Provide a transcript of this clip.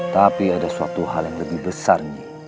tapi ada suatu hal yang lebih besar